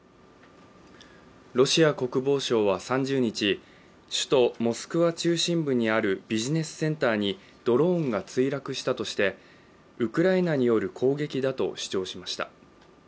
ロシア国防省は３０日首都モスクワ中心部にあるビジネスセンターにドローンが墜落したとしてウクライナによる攻撃だと主張しました。